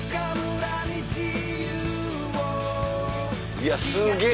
いやすげぇ。